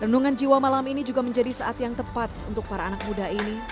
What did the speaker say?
renungan jiwa malam ini juga menjadi saat yang tepat untuk para anak muda ini